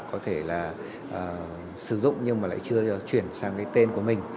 có thể sử dụng nhưng lại chưa chuyển sang tên của mình